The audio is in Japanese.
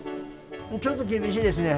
ちょっと厳しいですね。